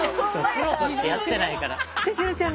プロとしてやってないから。